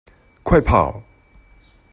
快跑！